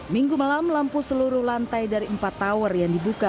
minggu malam lampu seluruh lantai dari empat tower yang dibuka